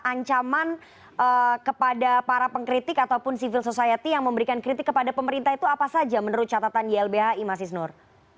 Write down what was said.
ancaman kepada para pengkritik ataupun civil society yang memberikan kritik kepada pemerintah itu apa saja menurut catatan ylbhi mas isnur